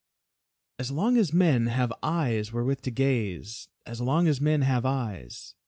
As long as men have eyes wherewith to gaze, As long as men have eyes.